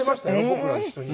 僕ら一緒に。